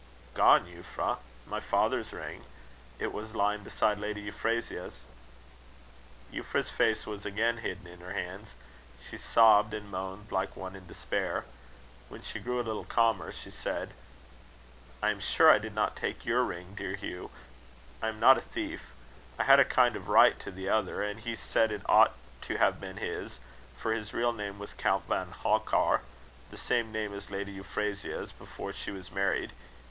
"Gone, Euphra. My father's ring! It was lying beside Lady Euphrasia's." Euphra's face was again hidden in her hands. She sobbed and moaned like one in despair. When she grew a little calmer, she said: "I am sure I did not take your ring, dear Hugh I am not a thief. I had a kind of right to the other, and he said it ought to have been his, for his real name was Count von Halkar the same name as Lady Euphrasia's before she was married.